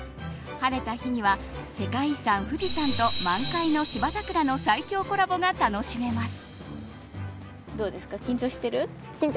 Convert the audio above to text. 晴れた日には世界遺産・富士山と満開の芝桜の最強コラボが楽しめます。